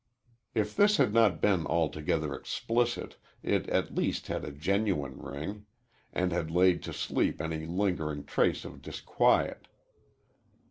If this had not been altogether explicit it at least had a genuine ring, and had laid to sleep any lingering trace of disquiet.